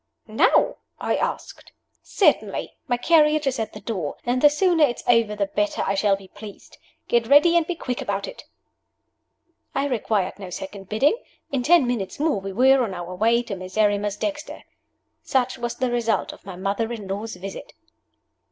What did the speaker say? "Now?" I asked. "Certainly! My carriage is at the door. And the sooner it's over the better I shall be pleased. Get ready and be quick about it!" I required no second bidding. In ten minutes more we were on our way to Miserrimus Dexter. Such was the result of my mother in law's visit!